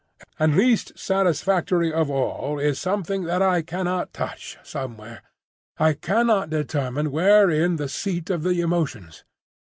And least satisfactory of all is something that I cannot touch, somewhere—I cannot determine where—in the seat of the emotions.